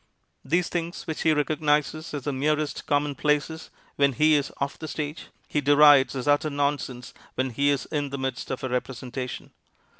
These things, which he recognizes as the merest commonplaces when he is off the stage, he derides as utter nonsense when he is in the midst of a representation.